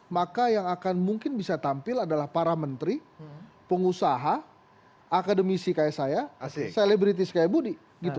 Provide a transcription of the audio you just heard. maka yang akan mungkin bisa tampil adalah para menteri pengusaha akademisi kayak saya selebritis kayak budi